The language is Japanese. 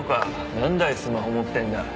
何台スマホ持ってんだ。